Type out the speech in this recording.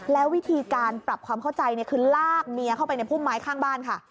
แล้ววิธีการปรับความเข้าใจคือลากเมียเข้าไปในพุ่มไม้ข้างบ้านค่ะ